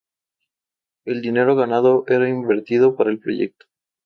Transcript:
El dinero ganado era invertido para el proyecto.